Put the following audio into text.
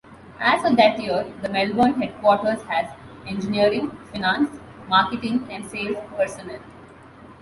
As of that year the Melbourne headquarters has engineering, finance, marketing and sales personnel.